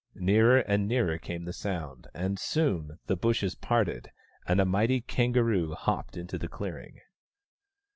Nearer and nearer came the sound, and soon the bushes parted and a mighty kangaroo hopped into the clearing.